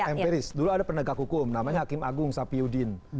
emperis dulu ada penegak hukum namanya hakim agung sapiyuddin